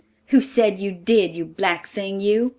"Who said you did, you black thing, you?"